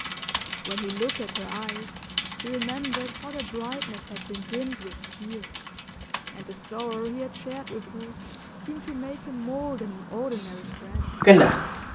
When he looked at her eyes, he remembered how their brightness had been dimmed with tears, and the sorrow he had shared with her seemed to make him more than an ordinary friend.